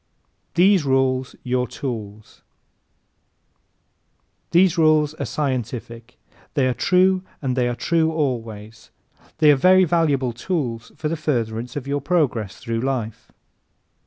These Rules Your Tools ¶ These rules are scientific. They are true and they are true always. They are very valuable tools for the furtherance of your progress through life.